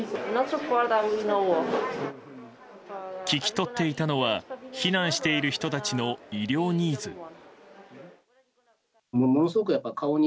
聞き取っていたのは避難している人たちの医療ニーズ。